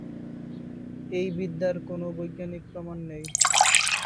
এই বিদ্যার কোনও বৈজ্ঞানিক প্রমাণ নেই।